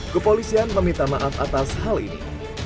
kepolisian meminta maaf atas hal ini